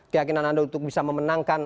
keyakinan anda untuk bisa memenangkan